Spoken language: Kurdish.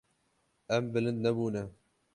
Em bilind nebûne.